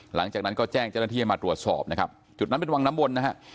หลังจากนั้นก็แจ้งเจ้าหน้าที่ให้มาตรวจสอบนะครับจุดนั้นเป็นวังน้ำวนนะฮะ